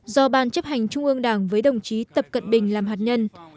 do ban chấp hành trung ương đảng với đồng chí tập cận bình làm hạt nhân